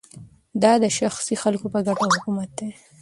دا د شخصي خلکو په ګټه حکومت دی